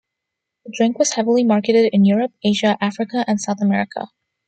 The drink was heavily marketed in Europe, Asia, Africa and South America.